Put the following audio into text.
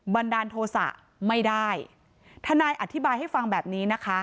บันดาลโทษะไม่ได้ทนายอธิบายให้ฟังแบบนี้นะคะ